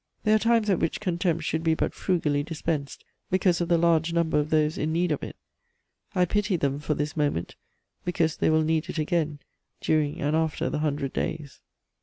There are times at which contempt should be but frugally dispensed, because of the large number of those in need of it: I pity them for this moment, because they will need it again during and after the Hundred Days.